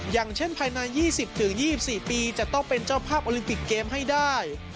อย่างเช่นภายใน๒๐๒๔ปีจะต้องเป็นเจ้าภาพโอลิมปิกเกมให้ได้